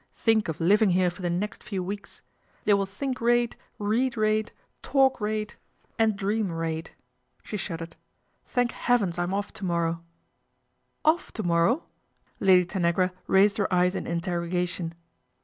Think of living here for the next few weeks. They will think raid, read raid, talk 278 PATRICIA BRENT, SPINSTER raid and dream raid." She shuddered. " Thank heavens I'm off to morrow." " Off to morrow ?" Lady Tanagra raised her eyes in interrogation.